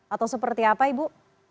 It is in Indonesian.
atau seperti apa ibu